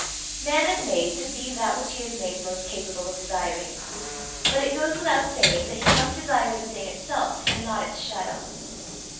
Man is made to be that which he is made most capable of desiring but it goes without saying that he must desire the thing itself and not its shadow.